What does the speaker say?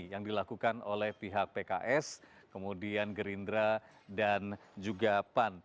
yang dilakukan oleh pihak pks kemudian gerindra dan juga pan